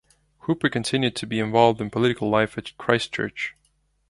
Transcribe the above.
Hooper continued to be involved in political life at Christchurch.